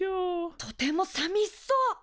とてもさみしそう！